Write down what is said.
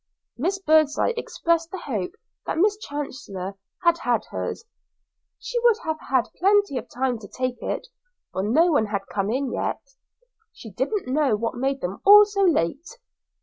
Miss Birdseye expressed the hope that Miss Chancellor had had hers; she would have had plenty of time to take it, for no one had come in yet; she didn't know what made them all so late.